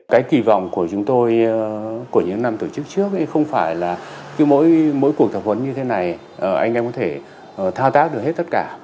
cái kỳ vọng của chúng tôi của những năm tổ chức trước không phải là cứ mỗi mỗi cuộc tập huấn như thế này anh em có thể thao tác được hết tất cả